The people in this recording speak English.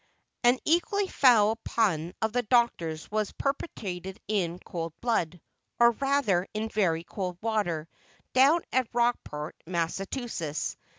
An equally fowl pun of the Doctor's was perpetrated in cold blood, or rather in very cold water, down at Rockport, Massachusetts.